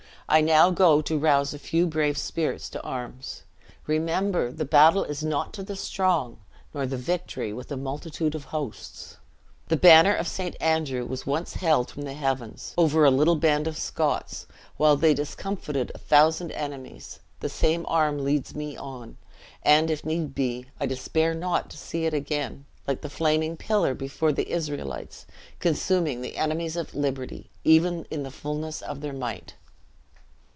I now go to rouse a few brave spirits to arms. Remember the battle is not to the strong, nor victory with a multitude of hosts! The banner of St. Andrew was once held from the heavens, over a little band of Scots, while they discomfited a thousand enemies the same arm leads me on; and, if need be, I despair not to see it again, like the flaming pillar before the Israelites, consuming the enemies of liberty, even in the fullness of their might."